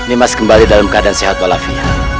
imas kembali dalam keadaan sehat walafinya